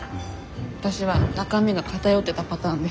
わたしは中身が偏ってたパターンで。